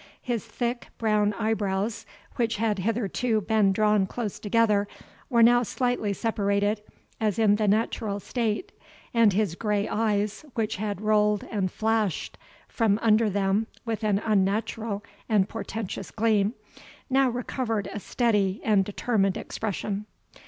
His thick, brown eyebrows, which had hitherto been drawn close together, were now slightly separated, as in the natural state; and his grey eyes, which had rolled and flashed from under them with an unnatural and portentous gleam, now recovered a steady and determined expression.